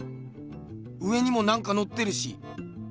上にもなんかのってるし。